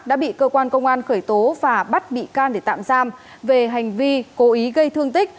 đã bị cơ quan công an khởi tố và bắt bị can để tạm giam về hành vi cố ý gây thương tích